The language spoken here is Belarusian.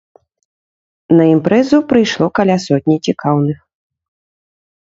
На імпрэзу прыйшло каля сотні цікаўных.